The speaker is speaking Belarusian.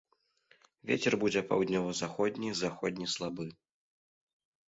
Вецер будзе паўднёва-заходні, заходні слабы.